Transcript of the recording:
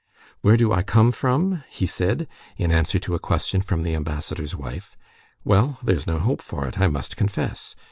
"Where do I come from?" he said, in answer to a question from the ambassador's wife. "Well, there's no help for it, I must confess.